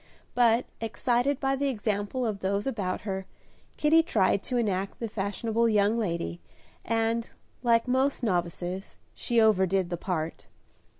But, excited by the example of those about her, Kitty tried to enact the fashionable young lady, and, like most novices, she overdid the part.